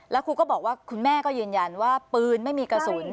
แล้วครูก็บอกว่าคุณแม่ก็ยืนยันว่าปืนไม่มีกระสุน